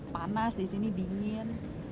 panas di sini dingin